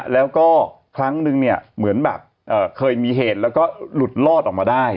แล้วก็ครั้งนึงเนี่ยเหมือนแบบเคยมีเหตุแล้วก็หลุดลอดออกมาได้